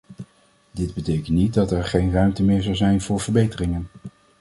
Dit betekent niet dat er geen ruimte meer zou zijn voor verbeteringen.